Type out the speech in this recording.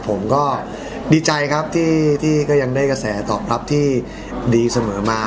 ผมก็ดีใจครับที่ก็ยังได้กระแสตอบรับที่ดีเสมอมา